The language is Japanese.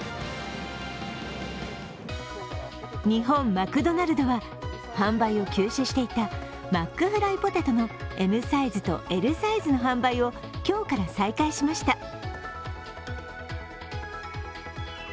日本マクドナルドは販売を休止していたマックフライポテトのＭサイズとＬサイズの販売を今日から再開しました。